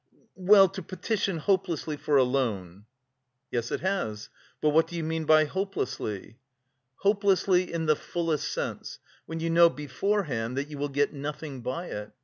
well, to petition hopelessly for a loan?" "Yes, it has. But what do you mean by hopelessly?" "Hopelessly in the fullest sense, when you know beforehand that you will get nothing by it.